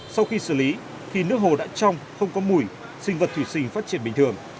sau khi xử lý khi nước hồ đã trong không có mùi sinh vật thủy sinh phát triển bình thường